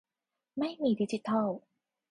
ไม่มีดิจิทัล